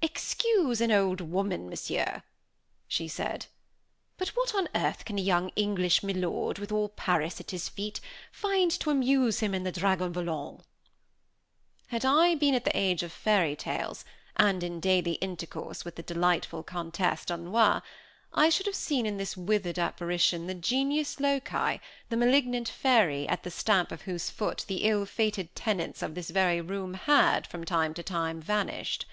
"Excuse an old woman, Monsieur," she said; "but what on earth can a young English milord, with all Paris at his feet, find to amuse him in the Dragon Volant?" Had I been at the age of fairy tales, and in daily intercourse with the delightful Countess d'Aulnois, I should have seen in this withered apparition, the genius loci, the malignant fairy, at the stamp of whose foot the ill fated tenants of this very room had, from time to time, vanished.